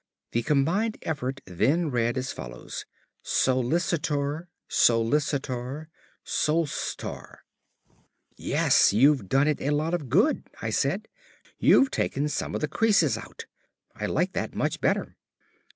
The combined effort then read as follows: SOLICITOR SOLICITOR SOLCTOR "Yes, you've done it a lot of good," I said. "You've taken some of the creases out. I like that much better."